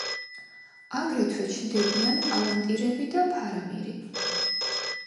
აგრეთვე ჩნდებიან პალანტირები და ფარამირი.